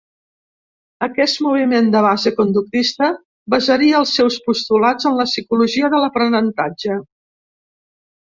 Aquest moviment de base conductista basaria els seus postulats en la psicologia de l'aprenentatge.